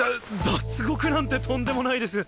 脱獄なんてとんでもないです